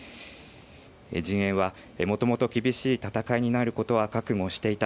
陣営は、もともと厳しい戦いになることは覚悟していた。